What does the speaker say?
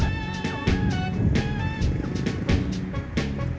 kaki lo tinggi sebelah